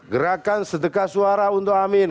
gerakan sedekah suara untuk amin